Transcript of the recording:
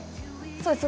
そうです